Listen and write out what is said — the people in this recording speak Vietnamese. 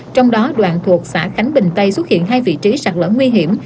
trong đó đoạn thuộc xã khánh bình tây xuất hiện hai vị trí sạt lở nguy hiểm